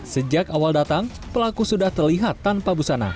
sejak awal datang pelaku sudah terlihat tak berhubungan dengan rumah